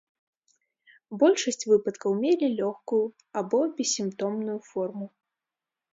Большасць выпадкаў мелі лёгкую або бессімптомную форму.